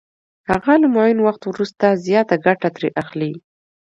هغه له معین وخت وروسته زیاته ګټه ترې اخلي